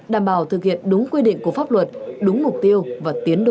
đảm bảo thực hiện đúng quy định của pháp luật đúng mục tiêu và tiến độ đề ra